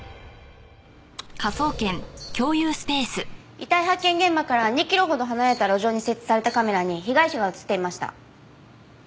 遺体発見現場から２キロほど離れた路上に設置されたカメラに被害者が映っていました。